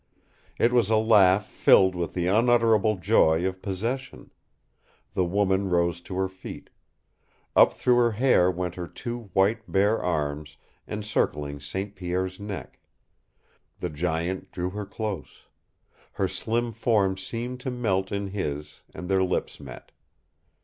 It was a laugh filled with the unutterable joy of possession. The woman rose to her feet. Up through her hair went her two white, bare arms, encircling St. Pierre's neck. The giant drew her close. Her slim form seemed to melt in his, and their lips met.